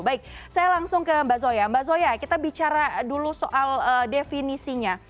baik saya langsung ke mbak zoya mbak zoya kita bicara dulu soal definisinya